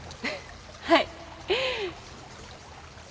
はい。